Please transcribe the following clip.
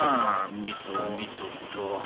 みそみそと。